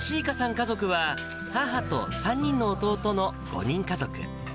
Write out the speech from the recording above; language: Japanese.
家族は母と３人の弟の５人家族。